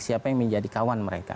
siapa yang menjadi kawan mereka